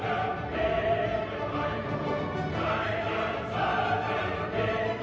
รับไหมเท่าไหร่